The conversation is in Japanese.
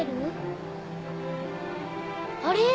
あれ？